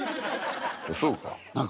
そうか？